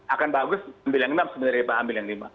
akan bagus ambil yang enam sebenarnya pak ambil yang lima